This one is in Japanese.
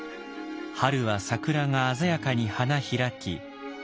春は桜が鮮やかに花開き